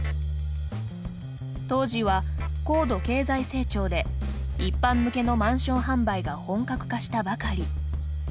当時は高度経済成長で一般向けのマンション販売が本格化したばかり。